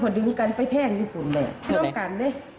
พอดึงกันไปแท่งญี่ปุ่นแหลม